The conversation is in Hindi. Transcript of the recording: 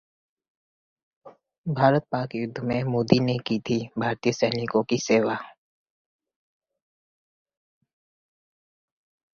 भारत-पाक युद्ध में मोदी ने की थी भारतीय सैनिकों की सेवा